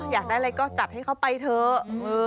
อยากได้อะไรก็จัดให้เขาไปเถอะ